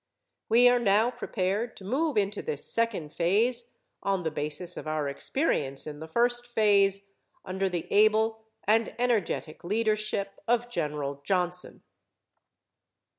We are now prepared to move into this second phase, on the basis of our experience in the first phase under the able and energetic leadership of General Johnson.